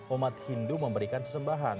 umat hindu memberikan sesembahan